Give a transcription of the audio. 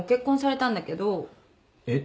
えっ？